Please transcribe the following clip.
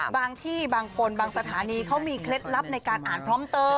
บางที่บางคนบางสถานีเขามีเคล็ดลับในการอ่านพร้อมเตอร์